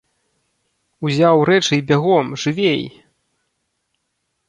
Узяў рэчы і бягом, жывей!!!